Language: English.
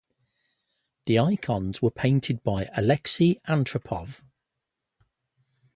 The icons were painted by Aleksey Antropov.